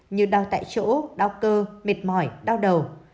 như đau tại chỗ đau cơ mệt mỏi đau đầu